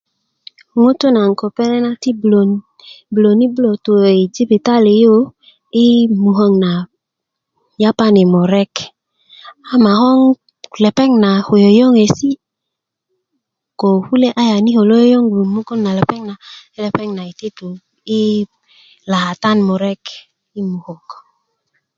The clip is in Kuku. ŋutu' naŋ ko pele' na ti bulön bulöne bulö to yi jibitali yu yi mukök na yapani' murek ama ko lepeŋ na ko yoyoŋesi ko kulye ayaniki lo yoyngu mugun na lepeŋ na ti lepeŋ na it tu i lakatan murek i mukök